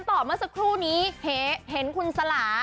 ต่อเมื่อสักครู่นี้เห็นคุณสลา